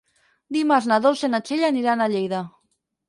Dimarts na Dolça i na Txell aniran a Lleida.